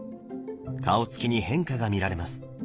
顔つきに変化が見られます。